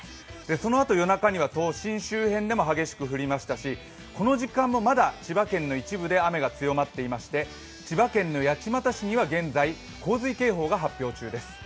そのあと、夜中には都心周辺でも激しく降りましたし、この時間もまだ、千葉県の一部で雨が強まってまして千葉県の八街市には現在洪水警報が発表中です。